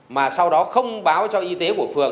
mà sau đó không báo cho y tế của phường